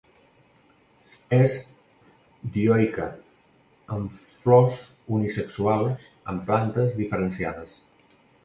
És dioica, amb flors unisexuals en plantes diferenciades.